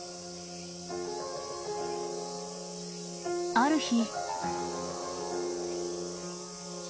［ある日］